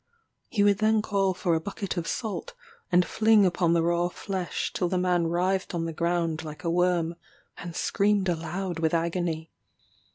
He would then call for a bucket of salt, and fling upon the raw flesh till the man writhed on the ground like a worm, and screamed aloud with agony.